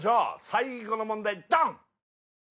最後の問題ドン！